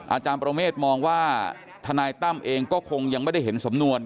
อาจารย์ประเมฆมองว่าทนายตั้มเองก็คงยังไม่ได้เห็นสำนวน